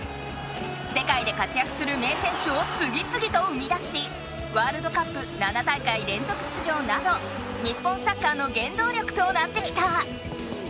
世界で活やくする名選手をつぎつぎと生み出しワールドカップ７大会連続出場など日本サッカーの原動力となってきた。